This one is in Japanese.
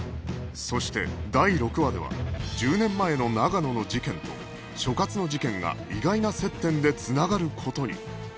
そして第６話では１０年前の長野の事件と所轄の事件が意外な接点で繋がる事に